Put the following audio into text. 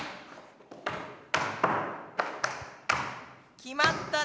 決まったね。